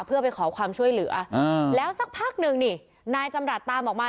เพื่อไปขอความช่วยเหลือแล้วสักพักหนึ่งนี่นายจำรัฐตามออกมา